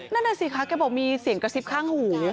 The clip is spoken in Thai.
นั่นน่ะสิคะแกบอกมีเสียงกระซิบข้างหู